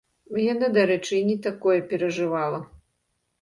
Яна, дарэчы, і не такое перажывала.